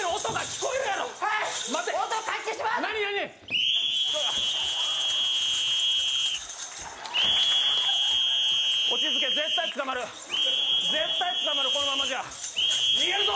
このままじゃ逃げるぞ！